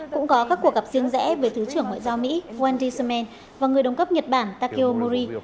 cũng có các cuộc gặp riêng rẽ về thứ trưởng ngoại giao mỹ wendy sermon và người đồng cấp nhật bản takeo mori